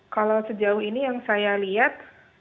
kalau sejauh ini yang saya lihat